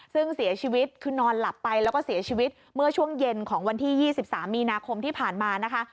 ซึ่งเสียชีวิตคือนอนหลับไปแล้วก็เสียชีวิตเมื่อช่วงเย็นของวันที่๒๓มีนาคมที่ผ่านมานะคะ